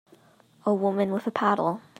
A woman with a paddle.